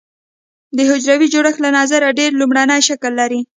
د حجروي جوړښت له نظره ډېر لومړنی شکل لري.